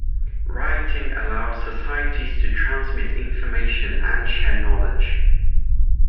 Writing allows societies to transmit information and share knowledge.